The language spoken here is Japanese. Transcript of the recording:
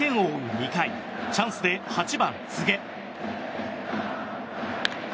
２回チャンスで８番、柘植。